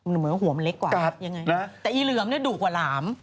เหมือนว่าหัวมันเล็กกว่าแต่อีเหลื่อมดุกกว่าหลาม